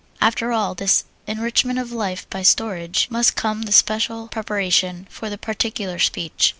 After all this enrichment of life by storage, must come the special preparation for the particular speech.